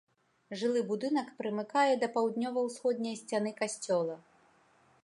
Жылы будынак прымыкае да паўднёва-ўсходняй сцяны касцёла.